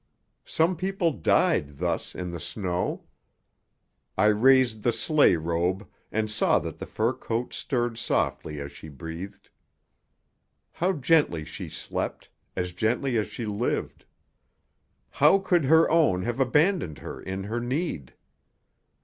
Some people died thus in the snow. I raised the sleigh robe, and saw that the fur coat stirred softly as she breathed. How gently she slept as gently as she lived. How could her own have abandoned her in her need?